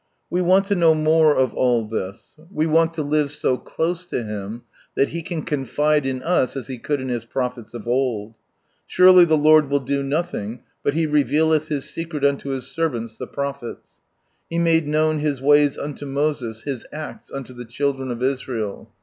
We want to know more of all this. We want to live so close to Him that He can confide in us, as He could in His prophets of old. " Surely the Lord will do nothing, but He revealeth His secret unto His servants the prophets." He made i ways unto Moses, His acts unto the children of Israel.